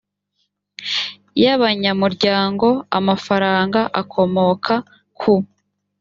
y abanyamuryango amafaranga akomoka ku